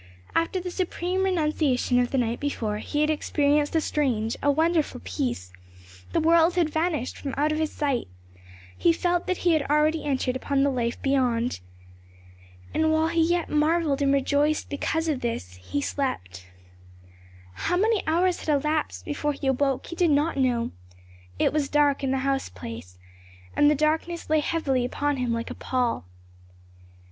After the supreme renunciation of the night before, he had experienced a strange, a wonderful peace: the world had vanished from out his sight; he felt that he had already entered upon the life beyond. And while he yet marvelled and rejoiced because of this, he slept. How many hours had elapsed before he awoke he did not know; it was dark in the house place, and the darkness lay heavily upon him like a pall.